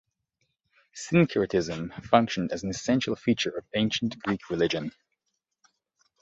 Syncretism functionized as an essential feature of Ancient Greek religion.